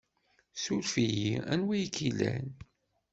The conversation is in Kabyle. Suref-iyi! Anwa i k-ilan?